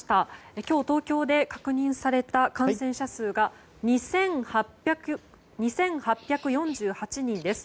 今日、東京で確認された感染者数が２８４８人です。